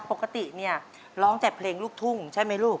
ปกติเนี่ยร้องแต่เพลงลูกทุ่งใช่ไหมลูก